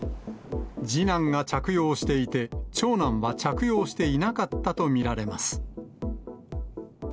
次男が着用していて、長男は着用していなかったと見られます。